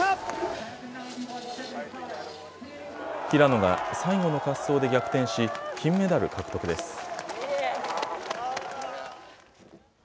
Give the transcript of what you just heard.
平野が最後の滑走で逆転し金メダル獲得です。